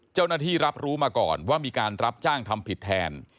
เจ้าหน้าที่รับรู้มาก่อนว่ามีการรับจ้างทำผิดแทน